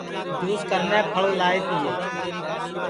جُس کرنے پھل لائے تیئے